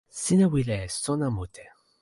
sina wile e sona mute.